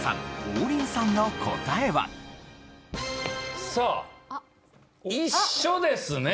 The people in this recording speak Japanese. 王林さんの答えは？さあ一緒ですね。